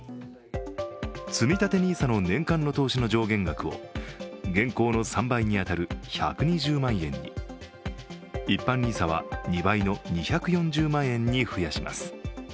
つみたてＮＩＳＡの年間の投資の上限額を現行の３倍に当たる１２０万円に、一般ＮＩＳＡは２倍の２４０万円に増やします。